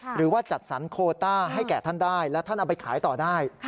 หรือว่าจัดสรรโคต้าให้แก่ท่านได้และท่านเอาไปขายต่อได้